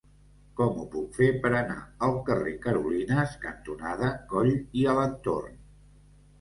Com ho puc fer per anar al carrer Carolines cantonada Coll i Alentorn?